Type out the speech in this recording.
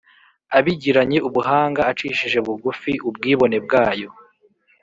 abigiranye ubuhanga acishe bugufi ubwibone bwayo